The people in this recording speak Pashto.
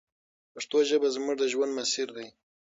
پښتو ژبه زموږ د ژوند مسیر دی.